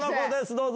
どうぞ。